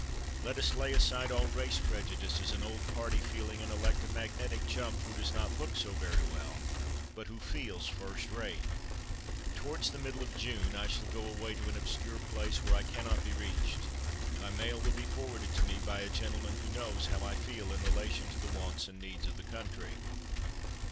Let us lay aside all race prejudices and old party feeling and elect a magnetic chump who does not look so very well, but who feels first rate. Towards the middle of June I shall go away to an obscure place where I cannot be reached. My mail will be forwarded to me by a gentleman who knows how I feel in relation to the wants and needs of the country.